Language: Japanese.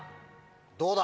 どうだ？